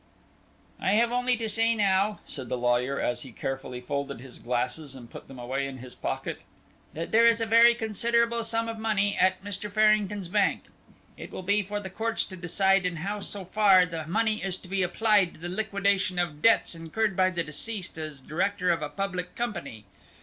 "I have only to say now," said the lawyer, as he carefully folded his glasses and put them away in his pocket, "that there is a very considerable sum of money at Mr. Farrington's bank. It will be for the courts to decide in how so far that money is to be applied to the liquidation of debts incurred by the deceased as director of a public company.